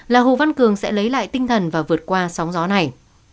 là hồ văn cường sẽ lấy lại tinh thần và vượt qua sóng gió này